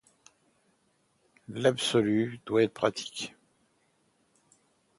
L’absolu doit être pratique.